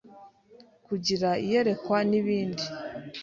kugira iyerekwa n’ibindi